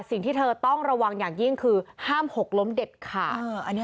สิ่งที่เธอต้องระวังอย่างยิ่งคือห้ามหกล้มเด็ดขาด